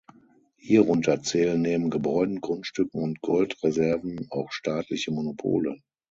Hierunter zählen neben Gebäuden, Grundstücken und Goldreserven auch staatliche Monopole.